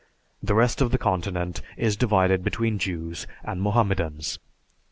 The rest of the continent is divided between Jews and Mohammedans.